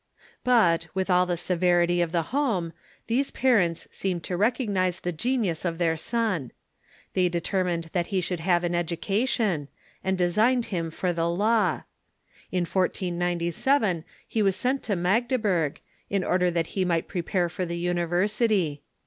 But, with all the severity of the home, these parents seemed to recognize the genius of their son. They determined that he should have an education, and designed him for the law. In 1497 he was sent to Magdeburg, in order that he might prepare for the university.